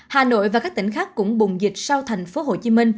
hà nội và các tỉnh khác cũng bùng dịch sau tp hcm